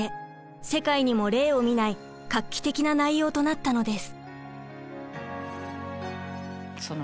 世界にも例を見ない画期的な内容となったのです。